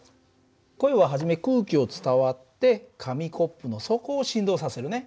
声は初め空気を伝わって紙コップの底を振動させるね。